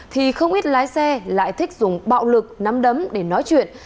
thì không ít lái xe lại thích dùng bạo lực nắm đấm để nói chuyện